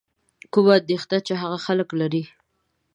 کومه اندېښنه چې هغو خلکو لرله.